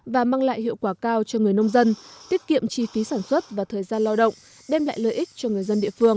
và mang lại hiệu quả cao cho người nông dân tiết kiệm chi phí sản xuất và thời gian lao động đem lại lợi ích cho người dân địa phương